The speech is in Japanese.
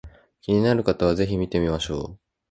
気になる方は是非見てみましょう